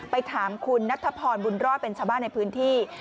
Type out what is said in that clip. ไปถามคุณนัทพรบุญรอดเป็นชาวบ้านในพื้นที่